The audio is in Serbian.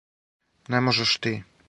Не можеш ти.